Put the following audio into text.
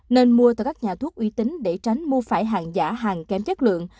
nên mua từ các nhà thuốc uy tín để tránh mua phải hàng giả hàng kém chất lượng